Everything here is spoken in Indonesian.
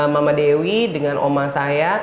mama dewi dengan oma saya